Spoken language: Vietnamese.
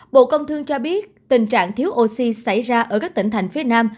bộ công thương cho biết tình trạng thiếu oxy xảy ra ở các tỉnh thành phía nam